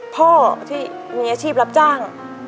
พ่อที่มีอาชีพรับจ้าง